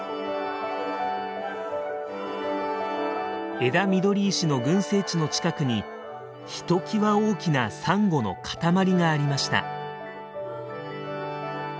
エダミドリイシの群生地の近くにひときわ大きなサンゴの塊がありました。